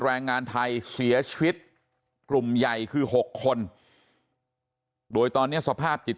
แรงงานไทยเสียชีวิตกลุ่มใหญ่คือ๖คนโดยตอนนี้สภาพจิต